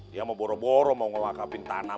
dia mau boro boro mau ngakapin tanah